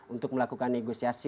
untuk melakukan negosiasi